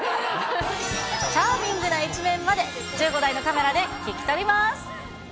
チャーミングな一面まで、１５台のカメラで聞き撮ります。